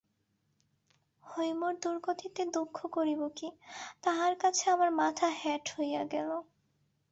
হৈমর দুর্গতিতে দুঃখ করিব কী, তাহার কাছে আমার মাথা হেঁট হইয়া গেল।